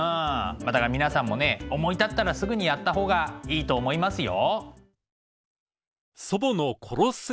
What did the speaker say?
まあだから皆さんもね思い立ったらすぐにやった方がいいと思いますよ。